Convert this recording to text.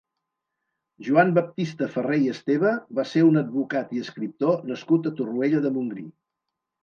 Joan Baptista Ferrer i Esteve va ser un advocat i escriptor nascut a Torroella de Montgrí.